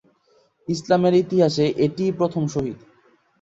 ইসলামের ইতিহাসে এটিই প্রথম শহীদ।